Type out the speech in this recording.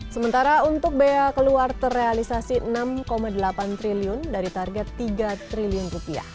sementara untuk bea keluar terrealisasi rp enam delapan triliun dari target rp tiga triliun